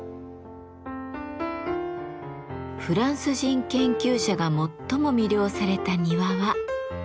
フランス人研究者が最も魅了された庭は。